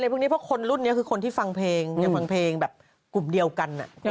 พวกนี้เพราะคนรุ่นนี้คือคนที่ฟังเพลงอย่าฟังเพลงแบบกลุ่มเดียวกัน